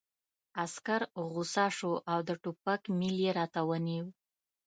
عسکر غوسه شو او د ټوپک میل یې راته ونیو